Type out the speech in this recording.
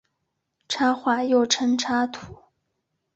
插画又称插图。